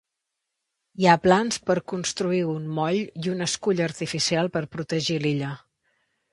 Hi ha plans per construir un moll i un escull artificial per protegir l'illa.